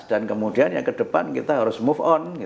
dan kemudian yang kedepan kita harus move on